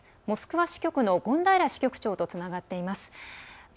モスクワ支局の権平支局長とつながっています。